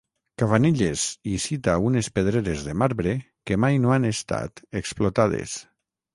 Cavanilles hi cita unes pedreres de marbre que mai no han estat explotades.